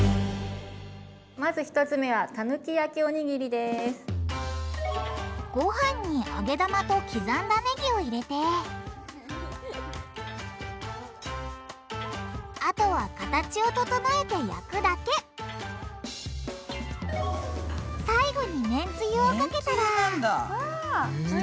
まず１つ目はごはんに揚げ玉と刻んだねぎを入れてあとは形を整えて焼くだけ最後にめんつゆをかけたらめんつゆなんだ。